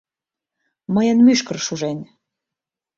Мыйын мӱшкыр шужен.